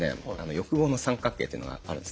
欲望の三角形っていうのがあるんですね。